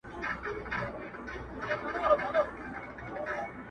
لوړ دی ورگورمه، تر ټولو غرو پامير ښه دی.